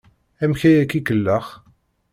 Amek ay ak-ikellex?